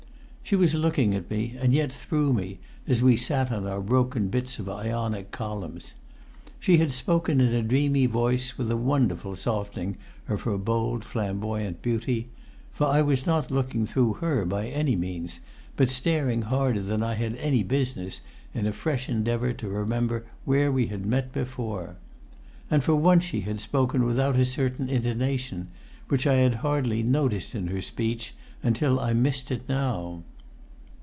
She was looking at me and yet through me, as we sat on our broken bits of Ionic columns. She had spoken in a dreamy voice, with a wonderful softening of her bold, flamboyant beauty; for I was not looking through her by any means, but staring harder than I had any business, in a fresh endeavour to remember where we had met before. And for once she had spoken without a certain intonation, which I had hardly noticed in her speech until I missed it now.